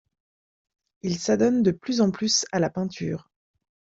Il s'adonne de plus en plus à la peinture.